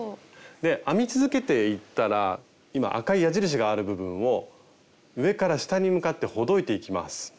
で編み続けていったら今赤い矢印がある部分を上から下に向かってほどいていきます。